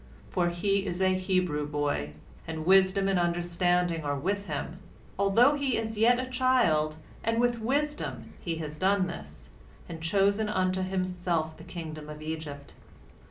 For he is a Hebrew boy, and wisdom and understanding are with him, although he is yet a child, and with wisdom has he done this, and chosen unto himself the kingdom of Egypt.